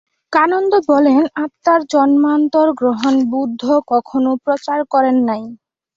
কানন্দ বলেন, আত্মার জন্মান্তরগ্রহণ বুদ্ধ কখনও প্রচার করেন নাই।